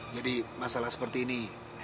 jadi masalah seperti ini